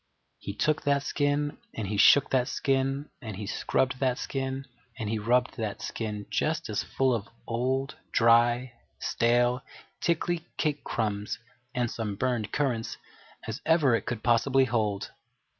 He took that skin, and he shook that skin, and he scrubbed that skin, and he rubbed that skin just as full of old, dry, stale, tickly cake crumbs and some burned currants as ever it could possibly hold.